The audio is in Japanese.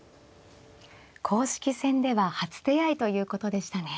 公式戦では初手合いということでしたね。